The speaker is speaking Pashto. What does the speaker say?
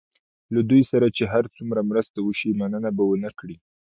له دوی سره چې هر څومره مرسته وشي مننه به ونه کړي.